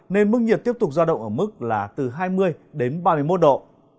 nên mức nhiệt tiếp tục giao động ở mức là từ hai mươi đến ba mươi một độ